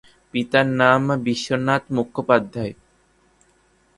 পিতার নাম বিশ্বনাথ মুখোপাধ্যায়।